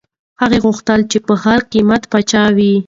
هغه غوښتل چي په هر قیمت پاچا وي.